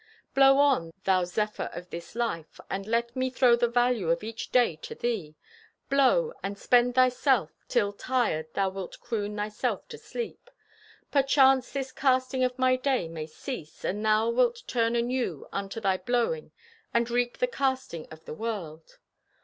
Blow on, thou zephyr of this life, and let me throw the value of each day to thee. Blow, and spend thyself, till, tired, thou wilt croon thyself to sleep. Perchance this casting of my day may cease, and thou wilt turn anew unto thy blowing and reap the casting of the world.